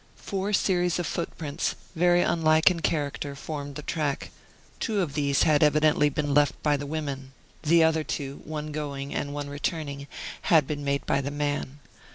Four series of footprints, very unlike in character, formed the track; two of these had evidently been left by the women; the other two, one going and one returning, had been made by the man.